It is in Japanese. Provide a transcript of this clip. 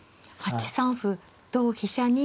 ８三歩同飛車に。